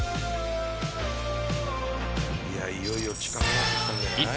いやいよいよ近くなってきたんじゃない？